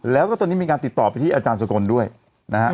แล้วก็ตอนนี้มีการติดต่อไปที่อาจารย์สกลด้วยนะครับ